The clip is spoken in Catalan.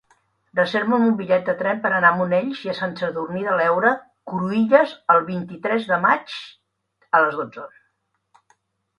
Reserva'm un bitllet de tren per anar a Monells i Sant Sadurní de l'Heura Cruïlles el vint-i-tres de maig a les dotze.